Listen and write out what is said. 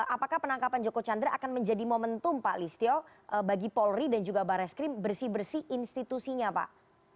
apakah penangkapan joko chandra akan menjadi momentum pak listio bagi polri dan juga barreskrim bersih bersih institusinya pak